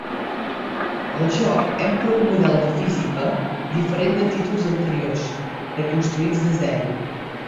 El joc empra un model de física diferent de títols anteriors, reconstruïts de zero.